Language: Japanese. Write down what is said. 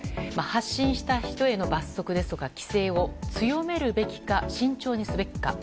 発信した人への罰則ですとか規制を強めるべきか慎重にすべきか。